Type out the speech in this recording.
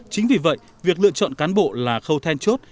chính vì vậy việc lựa chọn cán bộ là khâu then chốt